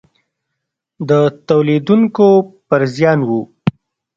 د تولیدوونکو پر زیان و.